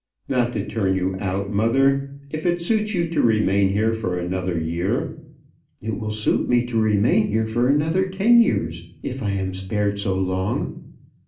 "Not to turn you out, mother. If it suits you to remain here for another year " "It will suit me to remain here for another ten years, if I am spared so long.